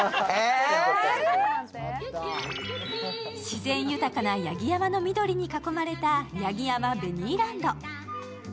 自然豊かな八木山の緑に囲まれた八木山ベニーランド。